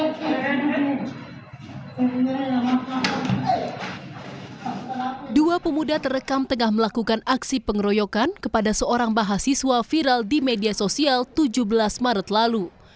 kedua pemuda terekam tengah melakukan aksi pengeroyokan kepada seorang mahasiswa viral di media sosial tujuh belas maret lalu